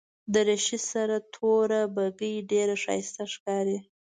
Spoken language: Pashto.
دریشي سره توره بګۍ ډېره ښایسته ښکاري.